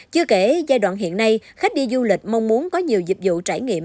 chưa kể giai đoạn hiện nay khách đi du lịch mong muốn có nhiều dịch vụ trải nghiệm